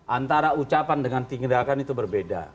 antara ucapan dengan tindakan itu berbeda